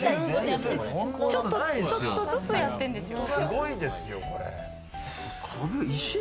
ちょっとずつ、やってるんですよ。